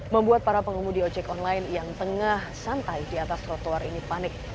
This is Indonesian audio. membuat para pengemudi ojek online yang tengah santai di atas trotoar ini panik